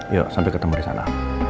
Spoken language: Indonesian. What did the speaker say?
yuk sampai ketemu disana